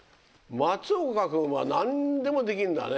松岡君は何でもできるんだね。